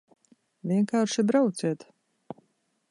Vienkārši brauciet!